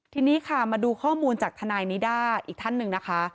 ทีนี้ค่ะมาดูข้อมูลจากทนายนิด้าอีกท่านหนึ่งนะคะ